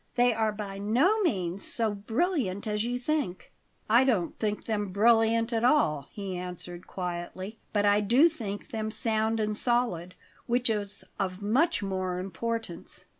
They are by no means so brilliant as you think." "I don't think them brilliant at all," he answered quietly; "but I do think them sound and solid, which is of much more importance.